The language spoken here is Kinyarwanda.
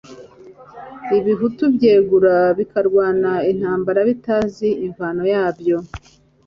ibihutu byegura bikarwana intambara bitazi imvano yabyo